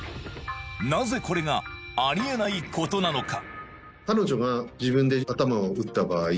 なぜこれがありえないことなのか？